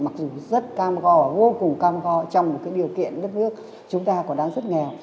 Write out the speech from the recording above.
mặc dù rất cam go và vô cùng cam go trong một cái điều kiện đất nước chúng ta còn đang rất nghèo